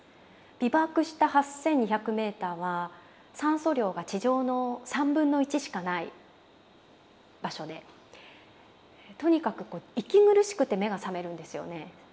ビバークした８２００ｍは酸素量が地上の３分の１しかない場所でとにかく息苦しくて目が覚めるんですよね。